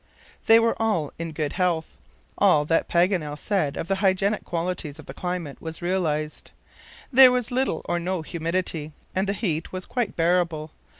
They were all in good health. All that Paganel said of the hygienic qualities of the climate was realized. There was little or no humidity, and the heat was quite bearable.